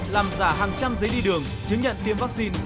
làm giả hàng trăm giấy đi đường chứng nhận tiêm vaccine